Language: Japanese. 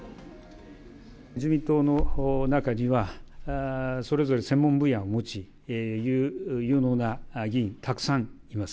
自民党の中には、それぞれ専門分野を持ち、有能な議員、たくさんいます。